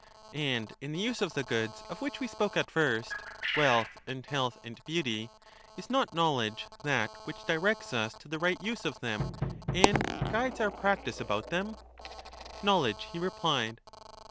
And in the use of the goods of which we spoke at first — wealth and health and beauty, is not knowl edge that which directs us to the right use of them, and guides our practice about them? Knowledge, he replied.